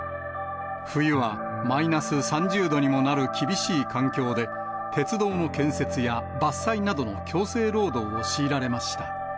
冬はマイナス３０度にもなる厳しい環境で、鉄道の建設や、伐採などの強制労働を強いられました。